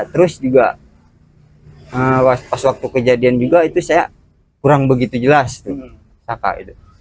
terus juga pas waktu kejadian juga itu saya kurang begitu jelas saka itu